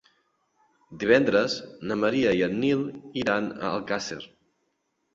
Divendres na Maria i en Nil iran a Alcàsser.